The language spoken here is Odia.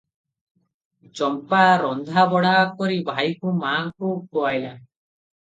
ଚମ୍ପା ରନ୍ଧା ବଢା କରି ଭାଇଙ୍କୁ ମା'ଙ୍କୁ ଖୁଆଇଲା ।